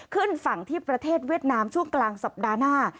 ขึ้นฝั่งที่ประเทศเวียดนามช่วงกลางสัปดาห์หน้า